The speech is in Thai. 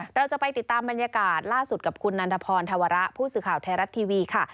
เราจะไปติดตามบรรยากาศล่าสุดกับคุณนันทพรธวระผู้สื่อข่าวไทยรัฐทีวีค่ะ